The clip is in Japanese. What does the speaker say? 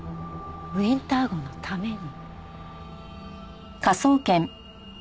ウィンター号のために。